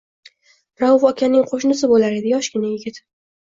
Rauf akaning qo’shnisi bo’lar edi, yoshgina yigit.